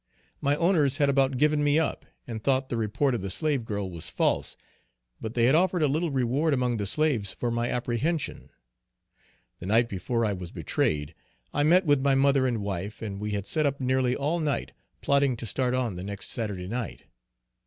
My owners had about given me up, and thought the report of the slave girl was false; but they had offered a little reward among the slaves for my apprehension. The night before I was betrayed, I met with my mother and wife, and we had set up nearly all night plotting to start on the next Saturday night.